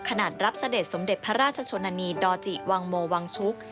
รับเสด็จสมเด็จพระราชชนนานีดอจิวังโมวังชุก